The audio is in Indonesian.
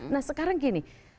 nah sekarang gini